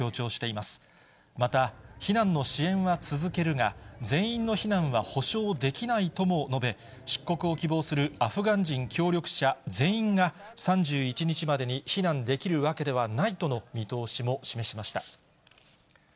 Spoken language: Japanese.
また、避難の支援は続けるが、全員の避難は保証できないとも述べ、出国を希望するアフガン人協力者全員が３１日までに避難できるわけではないとの見通しも示しました。